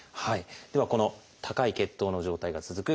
ではこの高い血糖の状態が続く